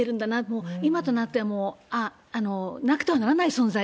もう今となってはもう、なくてはならない存在。